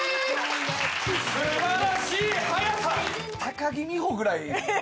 素晴らしい速さ！